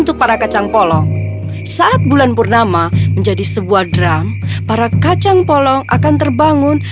kacang polong keempat sangat malas